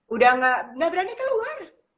udah gak berani keluar